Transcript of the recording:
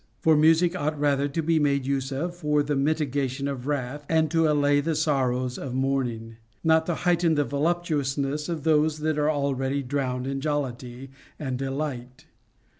For music ought rather to be made use of for the mitigation of wrath and to allay the sorrows of mourning, not to heighten the voluptuousness of those that are already drowned in jollity and delight.